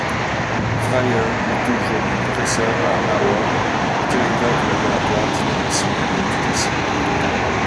Fryer est aujourd'hui Professeur à Harvard et directeur du laboratoire d'innovations en éducation.